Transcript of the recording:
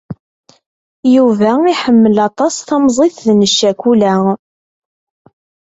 Yuba iḥemmel aṭas tamẓiḍt n ccakula.